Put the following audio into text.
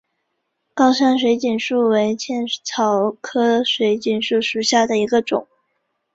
高山水锦树为茜草科水锦树属下的一个种。